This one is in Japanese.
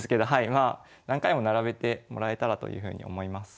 まあ何回も並べてもらえたらというふうに思います。